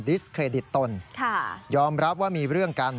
สเครดิตตนยอมรับว่ามีเรื่องกัน